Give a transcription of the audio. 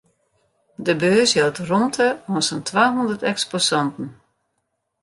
De beurs jout rûmte oan sa'n twahûndert eksposanten.